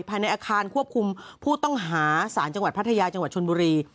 ภายในอาคารควบคุมผู้ต้องหาสารจังหวัดพัทยาจังหวัดชนบุรี